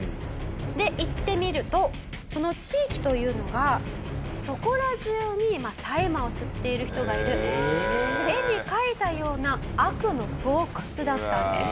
で行ってみるとその地域というのがそこら中に大麻を吸っている人がいる絵に描いたような悪の巣窟だったんです。